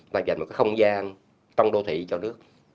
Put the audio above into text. và dành một cái không gian trong đô thị cho nước